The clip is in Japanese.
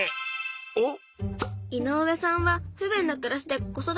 おっ！